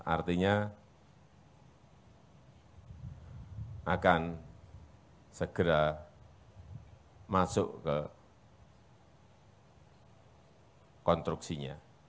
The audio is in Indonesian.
artinya akan segera masuk ke konstruksinya